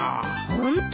ホント？